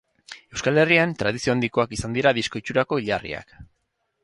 Euskal Herrian, tradizio handikoak izan dira disko itxurako hilarriak.